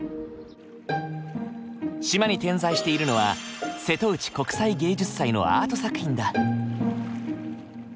島に点在しているのは瀬戸内国際芸術祭のアート作品だ。